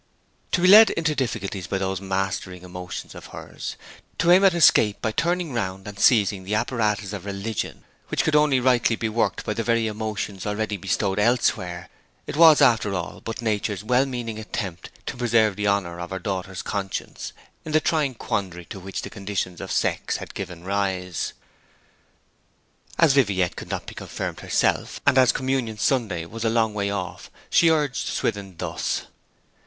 To be led into difficulties by those mastering emotions of hers, to aim at escape by turning round and seizing the apparatus of religion which could only rightly be worked by the very emotions already bestowed elsewhere it was, after all, but Nature's well meaning attempt to preserve the honour of her daughter's conscience in the trying quandary to which the conditions of sex had given rise. As Viviette could not be confirmed herself, and as Communion Sunday was a long way off, she urged Swithin thus.